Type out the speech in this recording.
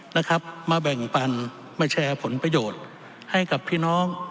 นะครับมาแบ่งปันมาแชร์ผลประโยชน์ให้กับพี่น้อง